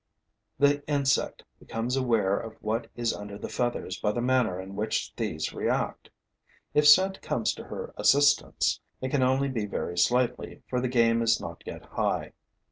The insect becomes aware of what is under the feathers by the manner in which these react. If scent comes to her assistance, it can only be very slightly, for the game is not yet high.